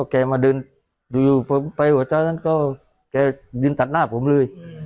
แกมาเดินดูไปหัวใจนั้นก็แกยืนตัดหน้าผมเลย